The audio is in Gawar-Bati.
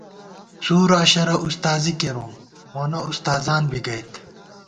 څُورعشَرہ اُستازی کېرُوم، مونہ اُستاذان بی گئیت